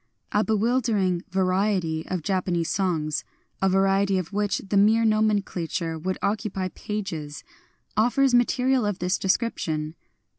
A bewilder ing variety of Japanese songs — a variety of which the mere nomenclature would occupy pages — offers material of this description.